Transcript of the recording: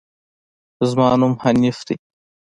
زما نوم حنيف ده